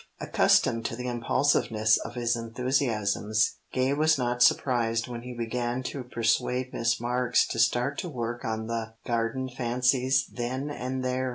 Accustomed to the impulsiveness of his enthusiasms, Gay was not surprised when he began to persuade Miss Marks to start to work on the Garden Fancies then and there.